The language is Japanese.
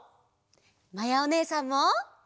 まやおねえさんも！